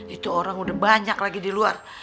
itu orang udah banyak lagi di luar